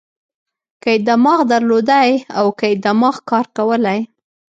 که یې دماغ درلودای او که یې دماغ کار کولای.